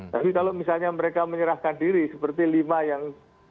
tapi kalau misalnya mereka menyerahkan diri seperti lima yang